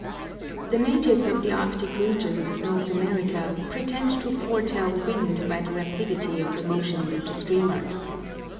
The natives of the Arctic regions of North America pretend to foretell wind by the rapidity of the motions of the streamers.